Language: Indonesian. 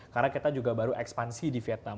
karena kita juga baru ekspansi di vietnam